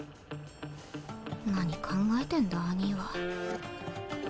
何考えてんだ兄ィは。